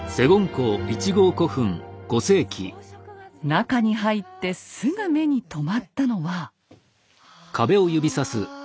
中に入ってすぐ目に留まったのは。